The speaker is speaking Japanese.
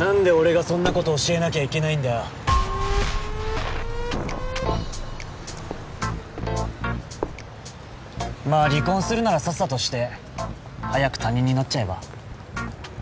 何で俺がそんなこと教えなきゃいけないんだよまあ離婚するならさっさとして早く他人になっちゃえば？